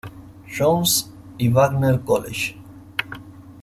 John's y Wagner College.